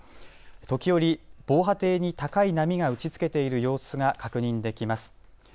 時折、防波堤に高い波が打ちつけている様子が確認できます。